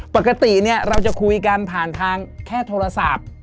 ปกติเราจะคุยกันผ่านทางแค่โทรศัพท์